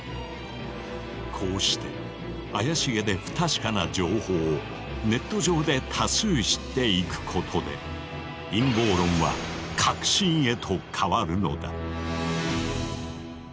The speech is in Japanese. こうして怪しげで不確かな情報をネット上で多数知っていくことで陰謀論は確信へと変わるのだ。